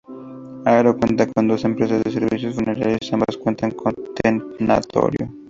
Haro cuenta con dos empresas de servicios funerarios ambas cuentan con tanatorio.